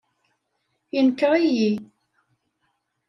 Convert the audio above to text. Inker-iyi.